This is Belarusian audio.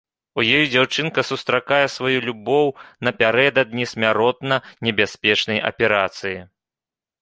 У ёй дзяўчынка сустракае сваю любоў напярэдадні смяротна небяспечнай аперацыі.